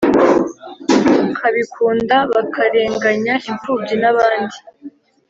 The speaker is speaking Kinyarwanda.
kabikunda bakarenganya impfubyi n’abandi